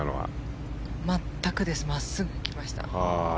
全くです真っすぐ来ました。